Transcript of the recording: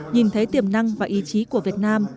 nhìn thấy tiềm năng và ý chí của việt nam